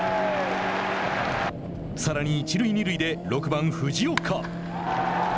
さらに一塁二塁で６番藤岡。